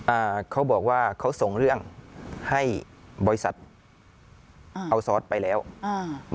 อ่าเขาบอกว่าเขาส่งเรื่องให้บริษัทอ่าเอาซอสไปแล้วอ่า